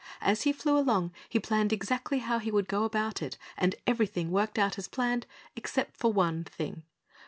As he flew along he planned exactly how he would go about it and everything worked out as planned, except for one thing.